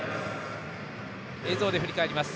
映像で振り返ります。